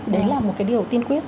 đấy là một cái điều tiên quyết